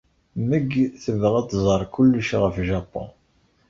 Meg tebɣa ad tẓer kullec ɣef Japun.